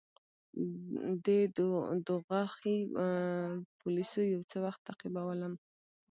دې دوږخي پولیسو یو څه وخت تعقیبولم.